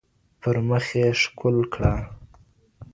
پر مخ يې ښكل كړه